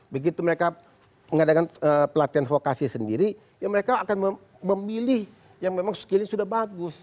begitu mereka mengadakan pelatihan vokasi sendiri ya mereka akan memilih yang memang skillnya sudah bagus